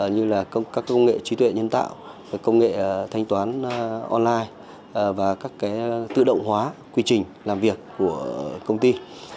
như là các công nghệ trí tuệ nhân tạo công nghệ thanh toán online và các tự động hóa quy trình làm việc của công ty